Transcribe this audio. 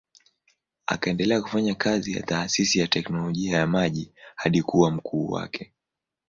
Akaendelea kufanya kazi ya taasisi ya teknolojia ya maji hadi kuwa mkuu wake.